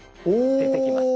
出てきます